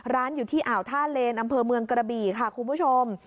ร้านอยู่ที่อ่าวท่าเลนอำเภอเมืองกระบี่ค่ะคุณผู้ชม